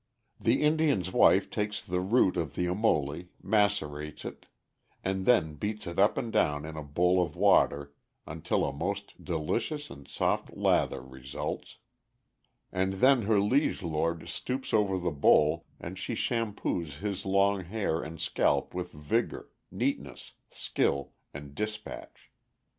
The Indian's wife takes the root of the amole, macerates it, and then beats it up and down in a bowl of water until a most delicious and soft lather results, and then her liege lord stoops over the bowl and she shampoos his long hair and scalp with vigor, neatness, skill, and dispatch.